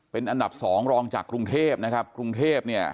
เป็นอันดับ๒รองจากกรุงเทพฯ